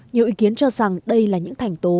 nhiều ý kiến cho rằng đây là những thành tố